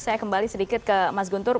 saya kembali sedikit ke mas guntur